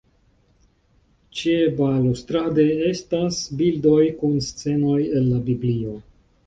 Ĉebalustrade estas bildoj kun scenoj el la Biblio.